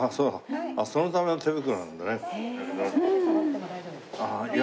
そのための手袋なんだね。